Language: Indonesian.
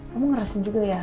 kamu ngerasain juga ya